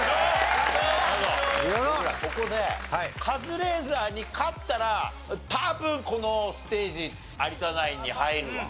ここでカズレーザーに勝ったら多分このステージ有田ナインに入るわ。